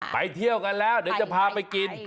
ไปเที่ยวกันแล้วเดี๋ยวจะพาไปกิน